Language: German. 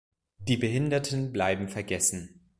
Die Behinderten bleiben vergessen.